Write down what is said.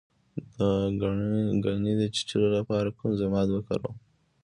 د غڼې د چیچلو لپاره کوم ضماد وکاروم؟